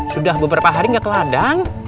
sudah beberapa hari nggak ke ladang